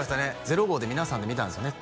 ゼロ号で皆さんで見たんですよね？